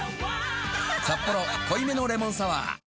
「サッポロ濃いめのレモンサワー」